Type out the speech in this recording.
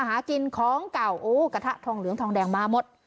หากินของเก่าโอ้กระทะทองเหลืองทองแดงมาหมด